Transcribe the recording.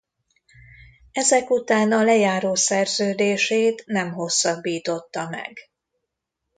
Ezek után a lejáró szerződését nem hosszabbította meg.